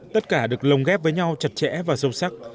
tất cả được lồng ghép với nhau chặt chẽ và sâu sắc